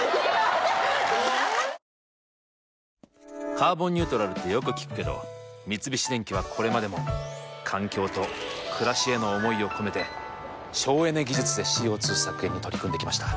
「カーボンニュートラル」ってよく聞くけど三菱電機はこれまでも環境と暮らしへの思いを込めて省エネ技術でＣＯ２削減に取り組んできました。